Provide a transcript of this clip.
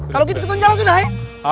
kalau gitu kita jalan sudah ya